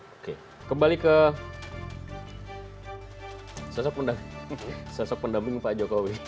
oke kembali ke sosok pendamping pak jokowi